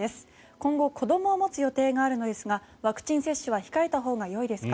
今後、子どもを持つ予定があるのですがワクチン接種は控えたほうがよいですか？